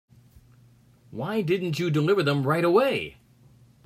Why didn't you deliver them right away?